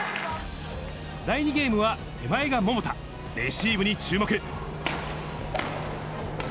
第２ゲームは手前が桃田、レシーブに注目。